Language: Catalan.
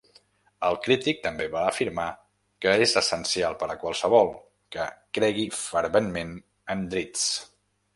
El crític també va afirmar que és essencial per a qualsevol que "cregui ferventment en Drizzt".